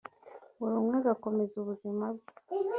buri umwe agakomeza ubuzima bwe